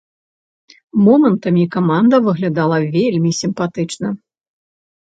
Момантамі каманда выглядала вельмі сімпатычна.